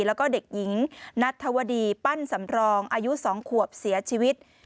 แล้วก็เด็กหญิงนัทธวดีปั้นสำรองอายุ๒ขวบเสียชีวิต